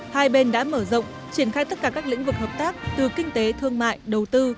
hai bên đã mở rộng triển khai tất cả các lĩnh vực hợp tác từ kinh tế thương mại đầu tư